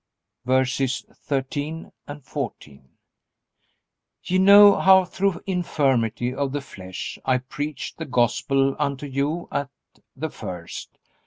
VERSES 13, 14. Ye know how through infirmity of the flesh I preached the gospel unto you at the first.